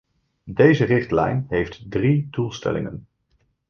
Deze richtlijn heeft drie doelstellingen.